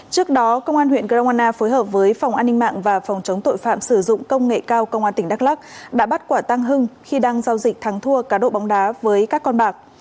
trước đó công an huyện grongana phối hợp với phòng an ninh mạng và phòng chống tội phạm sử dụng công nghệ cao công an tỉnh đắk lắc đã bắt quả tăng hưng khi đang giao dịch thắng thua cá độ bóng đá với các con bạc